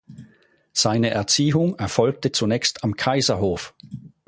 Seine Erziehung erfolgte zunächst am Kaiserhof.